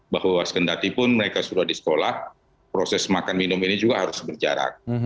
bahwa sekendatipun mereka sudah di sekolah proses makan minum ini juga harus berjarak